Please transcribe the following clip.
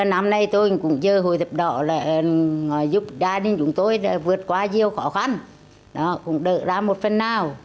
năm nay tôi cũng chờ hội chữ thập đỏ giúp gia đình chúng tôi vượt qua nhiều khó khăn cũng đợi ra một phần nào